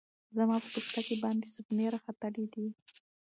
زما په پوستکی باندی سپوڼۍ راختلې دی